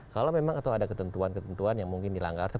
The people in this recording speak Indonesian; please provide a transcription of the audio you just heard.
kalau memang atau ada ketentuan ketentuan yang mungkin dilanggar